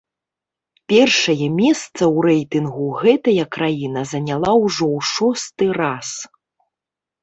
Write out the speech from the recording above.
Першае месца ў рэйтынгу гэтая краіна заняла ўжо ў шосты раз.